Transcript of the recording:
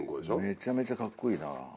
めちゃめちゃカッコいいな。